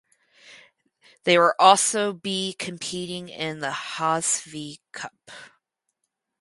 They were also be competing in the Hazfi Cup.